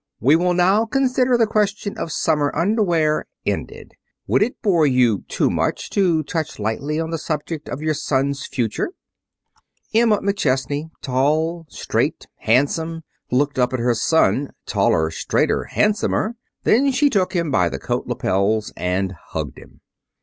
"We will now consider the question of summer underwear ended. Would it bore you too much to touch lightly on the subject of your son's future?" Emma McChesney, tall, straight, handsome, looked up at her son, taller, straighter, handsomer. Then she took him by the coat lapels and hugged him.